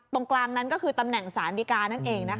ตรงกลางนั้นก็คือตำแหน่งสารดีกานั่นเองนะคะ